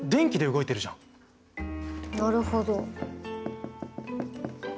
なるほど。